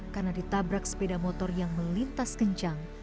karena ditabrak sepeda motor yang melintas kencang